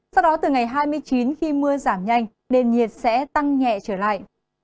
sau đó từ ngày hai mươi chín khi mưa giảm nhanh nền nhiệt sẽ tăng nhẹ trở lại